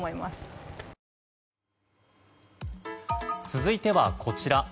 続いては、こちら。